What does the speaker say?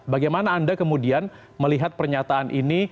bagaimana anda kemudian melihat pernyataan ini